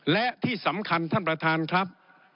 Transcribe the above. และที่สำคัญท่านประธานครับ